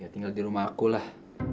tinggal di rumah aku lah